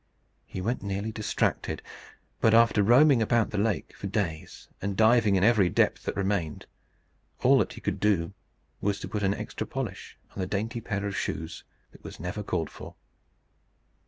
He went nearly distracted; but after roaming about the lake for days, and diving in every depth that remained, all that he could do was to put an extra polish on the dainty pair of boots that was never called for.